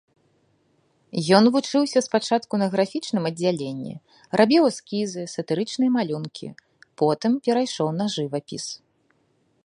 Ён вучыўся спачатку на графічным аддзяленні, рабіў эскізы, сатырычныя малюнкі, потым перайшоў на жывапіс.